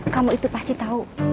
kamu itu pasti tahu